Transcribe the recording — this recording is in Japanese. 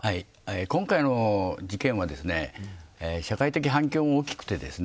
今回の事件は社会的反響も大きくてですね